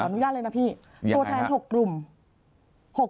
ขออนุญาตเลยนะพี่ตัวแทน๖กลุ่มยังไงฮะ